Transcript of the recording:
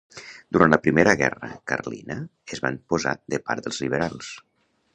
Durant la Primera Guerra Carlina es van posar de part dels liberals.